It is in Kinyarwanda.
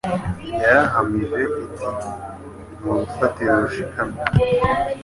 Yarahamije iti: Ni urufatiro rushikamye.